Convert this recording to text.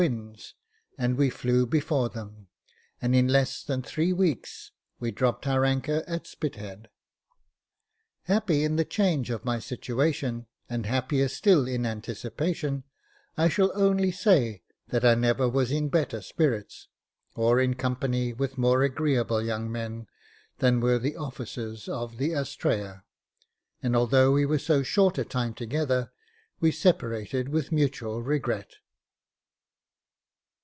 winds, and we flew before them, and, in less than three weeks, we dropped our anchor at Spithead. Happy in the change of my situation, and happier still in anticipation, I shall only say that I never was in better spirits, or in company with more agreeable young men then were the officers of the Astrea; and although we were so short a time together, we separated with mutual regret.